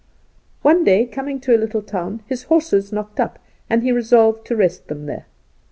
One day coming to a little town, his horses knocked up, and he resolved to rest them there.